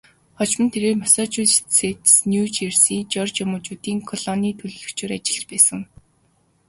Хожим нь тэрээр Массачусетс, Нью Жерси, Жеоржия мужуудын колонийн төлөөлөгчөөр ажиллаж байсан.